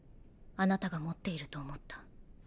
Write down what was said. あなたが持っていると思った。